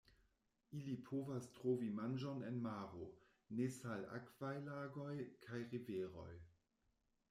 Ili povas trovi manĝon en maro, nesalakvaj lagoj kaj riveroj.